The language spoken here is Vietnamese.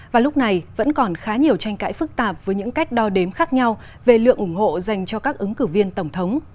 và lúc này vẫn còn khá nhiều tranh cãi phức tạp với những cách đo đếm khác nhau về lượng ủng hộ